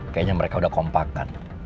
kayaknya mereka udah kompakan